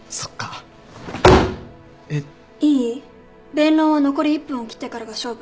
弁論は残り１分を切ってからが勝負